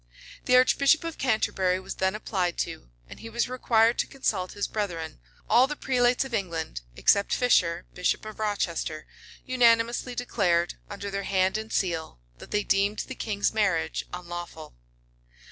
The archbishop of Canterbury was then applied to; and he was required to consult his brethren: all the prelates of England, except Fisher, bishop of Rochester unanimously declared, under their hand and seal, that they deemed the king's marriage unlawful.